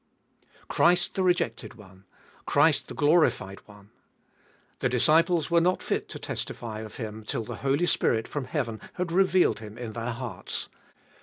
3. Christ the rejected One, Christ the glorified One : the disciples were not fit to testify of Him till the Holy Spirit from heaven had revealed Him in their hearts.